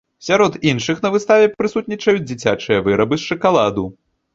Сярод іншых на выставе прысутнічаюць дзіцячыя вырабы з шакаладу.